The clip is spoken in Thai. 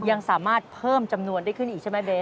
ยังสามารถเพิ่มจำนวนได้ขึ้นอีกใช่ไหมเบ